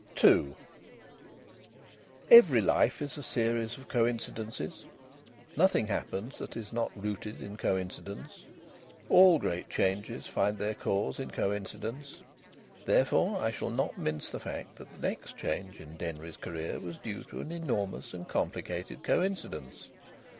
II Every life is a series of coincidences. Nothing happens that is not rooted in coincidence. All great changes find their cause in coincidence. Therefore I shall not mince the fact that the next change in Denry's career was due to an enormous and complicated coincidence.